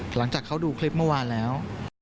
หลังจากเขาดูคลิปเมื่อวานแล้ว